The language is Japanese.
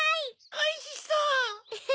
おいしそう！